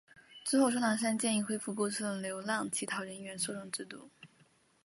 之后钟南山建议恢复过去的流浪乞讨人员收容制度。